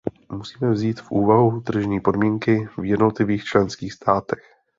Musíme vzít v úvahu tržní podmínky v jednotlivých členských státech.